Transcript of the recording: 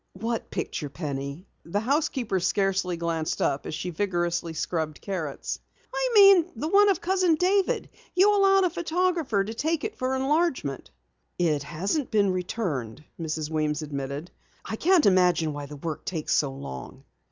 "What picture, Penny?" The housekeeper scarcely glanced up as she vigorously scrubbed carrots. "I mean the one of Cousin David. You allowed a photographer to take it for enlargement." "It hasn't been returned," Mrs. Weems admitted. "I can't imagine why the work takes so long."